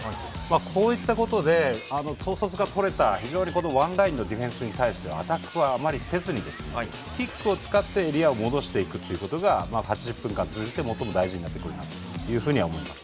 こういったことで統率がとれた非常にワンラインのディフェンスに対してはアタックは、あまりせずにキックを使ってエリアを戻していくということが８０分間通して最も大事になると思います。